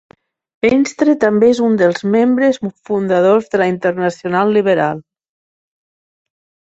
Venstre també és un dels membres fundadors de la Internacional Liberal.